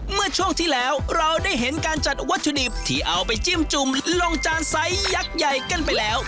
เมื่อช่วงที่แล้วเราได้เห็นการจัดวัตถุดิบที่เอาไปจิ้มจุ่มลงจานไซส์ยักษ์ใหญ่กันไปแล้ว